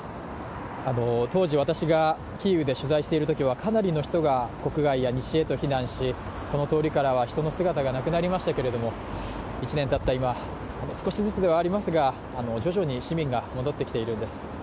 当時、私がキーウで取材しているときはかなりの人が国外や西へと避難し、この通りからは人の姿がなくなりましたけれども１年たった今、少しずつではありますが、徐々に市民が戻ってきているんです。